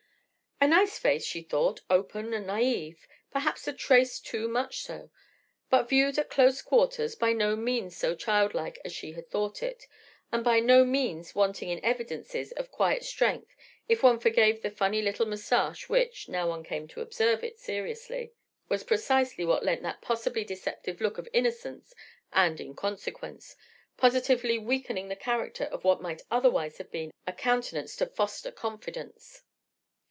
A nice face (she thought) open and naïve, perhaps a trace too much so; but, viewed at close quarters, by no means so child like as she had thought it, and by no means wanting in evidences of quiet strength if one forgave the funny little moustache which (now one came to, observe it seriously) was precisely what lent that possibly deceptive look of innocence and inconsequence, positively weakening the character of what might otherwise have been a countenance to foster confidence.